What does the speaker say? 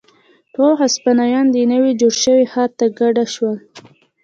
ټول هسپانویان دې نوي جوړ شوي ښار ته کډه شول.